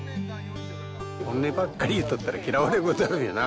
本音ばっかり言っとったら嫌われることあるよな。